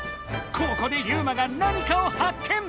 ここでユウマがなにかを発見！